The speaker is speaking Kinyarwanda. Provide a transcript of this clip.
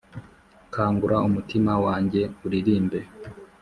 kangura umutima wanjye uririmbe